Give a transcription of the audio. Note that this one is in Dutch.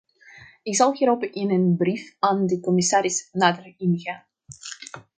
Ik zal hierop in een brief aan de commissaris nader ingaan.